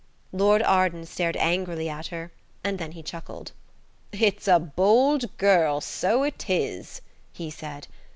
Lord Arden stared angrily at her, and then he chuckled. "It's a bold girl, so it is," he said.